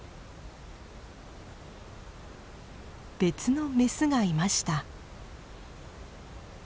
別のメスがいました。